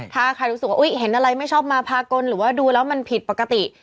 ถ้าใครรู้สึกว่าเห็นอะไรไม่ชอบมาพากลหรือว่าดูแล้วมันผิดปกติ